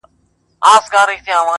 کندهار مي د بابا په قباله دی؛